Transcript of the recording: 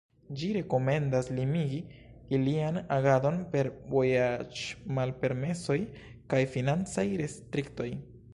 Ĝi rekomendas limigi ilian agadon per vojaĝmalpermesoj kaj financaj restriktoj.